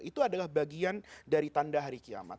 itu adalah bagian dari tanda hari kiamat